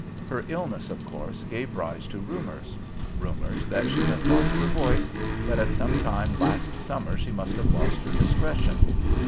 Her illness, of course, gave rise to rumours rumours that she had lost her voice, that at some time last summer she must have lost her discretion.